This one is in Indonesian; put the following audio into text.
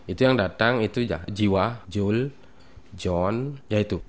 itu yang datang itu jiwa jules john yaitu